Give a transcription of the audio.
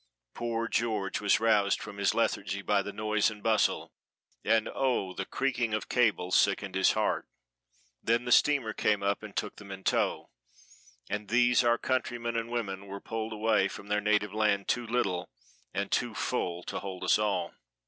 Poor George was roused from his lethargy by the noise and bustle; and oh, the creaking of cables sickened his heart. Then the steamer came up and took them in tow, and these our countrymen and women were pulled away from their native land too little and too full to hold us all.